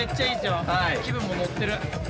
気分も乗ってる。